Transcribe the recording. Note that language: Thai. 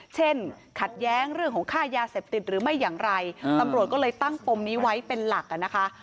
เช่นขัดแย้งเรื่องของค่ายาเสพติดหรือไม่อย่างไรตำรวจก็เลยตั้งปมนี้ไว้เป็นหลักนะคะ